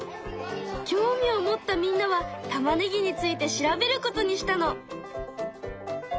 興味を持ったみんなはたまねぎについて調べることにしたの。